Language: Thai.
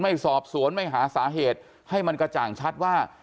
ไม่สอบสวนไม่หาสาเหตุให้มันกระจ่างชัดว่า